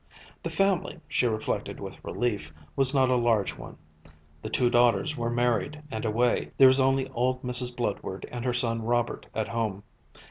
The family, she reflected with relief, was not a large one; the two daughters were married and away, there was only old Mrs. Bludward and her son Robert at home.